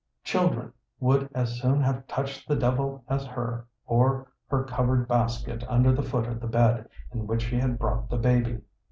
Qiildren would as soon have touched the devil as her, or her covered basket under the foot of the bed, in which she had brought the baby.